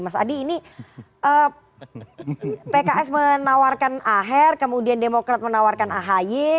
mas adi ini pks menawarkan aher kemudian demokrat menawarkan ahy